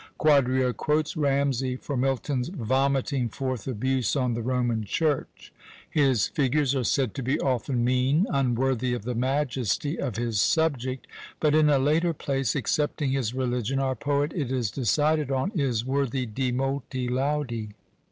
Quadrio quotes Ramsay for Milton's vomiting forth abuse on the Roman Church. His figures are said to be often mean, unworthy of the majesty of his subject; but in a later place, excepting his religion, our poet, it is decided on, is worthy "di molti laudi."